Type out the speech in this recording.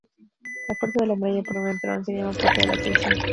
La puerta de la muralla por donde entraron se llama Puerta de la Traición.